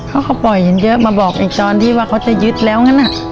เขาก็ปล่อยเห็นเยอะมาบอกอีกตอนที่ว่าเขาจะยึดแล้วงั้น